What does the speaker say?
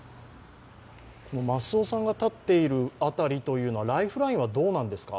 増尾さんが立っている辺りというのはライフラインはどうなんですか。